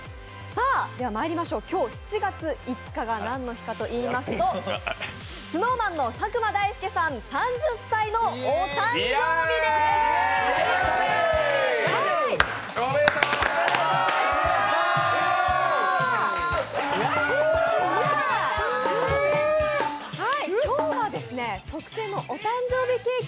今日、７月５日が何の日かといいますと、ＳｎｏｗＭａｎ、佐久間大介さん、３０歳のお誕生日です。